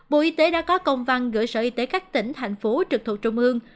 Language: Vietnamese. bộ y tế đã có công văn gửi sở y tế các tỉnh thành phố trực thuộc trung ương